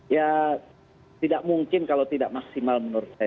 ya tidak mungkin kalau tidak maksimal menurut saya